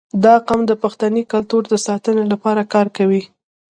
• دا قوم د پښتني کلتور د ساتنې لپاره کار کوي.